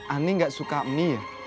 ani gak suka mie ya